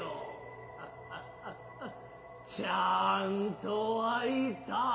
ハハハハちゃんと開いた。